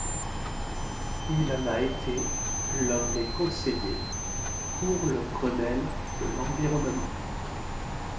Il en a été l'un des conseillers pour le grenelle de l'environnement.